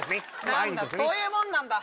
何だそういうもんなんだ